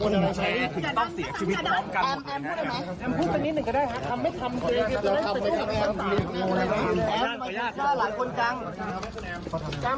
สวัสดีครับ